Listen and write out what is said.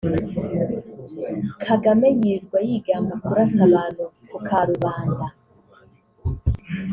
Kagame yirirwa yigamba kurasa abantu ku karubanda